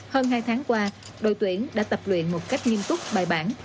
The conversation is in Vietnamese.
hơn hai tháng qua đội tuyển đã tập luyện một cách nghiêm túc bài bản